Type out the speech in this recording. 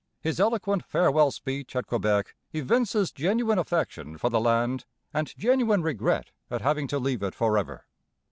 His eloquent farewell speech at Quebec evinces genuine affection for the land and genuine regret at having to leave it for ever.